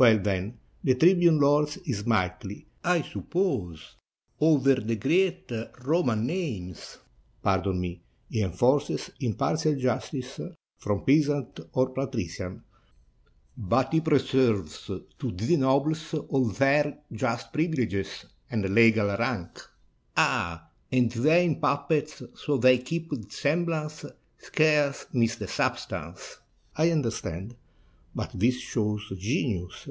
Well, then, the tribune lords it mightily, I suppose, over the great Roman names?" "Pardon me; he enforces impartial justice from peas ant or patrician ; but he preserves to the nobles all their just privileges and legal rank." "Ha! and the vain puppets, so they keep the semb lance, scarce miss the substance, — I understand. But this shows genius.